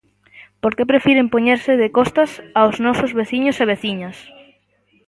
¿Por que prefiren poñerse de costas aos nosos veciños e veciñas?